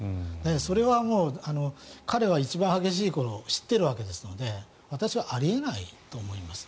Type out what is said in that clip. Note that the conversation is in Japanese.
それは、彼は一番激しい頃を知っているわけですので私はあり得ないと思います。